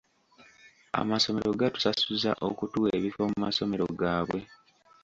Amasomero gatusasuza okutuwa ebifo mu masomero gaabwe.